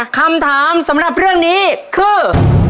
คำถามสำหรับเรื่องนี้คือ